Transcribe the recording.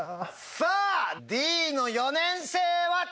さぁＤの４年生は。